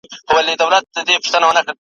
شاعره ویښ یې کنه`